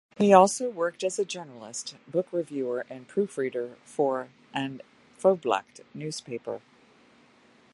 He also worked as a journalist, book reviewer and proofreader for "An Phoblacht" newspaper.